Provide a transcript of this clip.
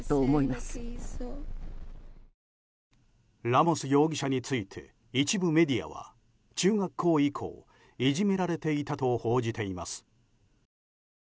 ラモス容疑者について一部メディアは中学校以降、いじめられていたと報じています。